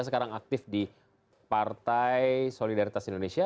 sekarang aktif di partai solidaritas indonesia